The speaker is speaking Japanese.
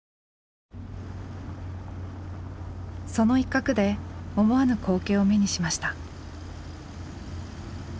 その一角で思わぬ光景を目にしました。